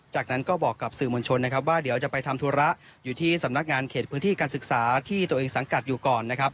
จากนั้นก็บอกกับสื่อมวลชนนะครับว่าเดี๋ยวจะไปทำธุระอยู่ที่สำนักงานเขตพื้นที่การศึกษาที่ตัวเองสังกัดอยู่ก่อนนะครับ